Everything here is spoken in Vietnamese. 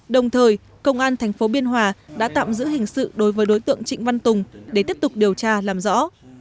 đồng thời công an tp biên hòa đã tạm giữ hình sự đối với đối tượng trịnh văn tùng để tiếp tục điều tra làm rõ